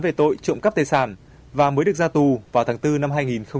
về tội trộm cắp tài sản và mới được ra tù vào tháng bốn năm hai nghìn một mươi chín